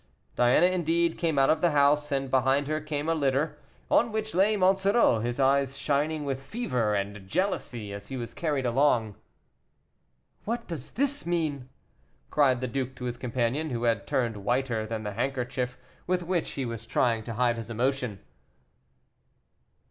Diana, indeed, came out of the house, and behind her came a litter, on which lay Monsoreau, his eyes shining with fever and jealousy as he was carried along. "What does this mean?" cried the duke to his companion, who had turned whiter than the handkerchief with which he was trying to hide his emotion.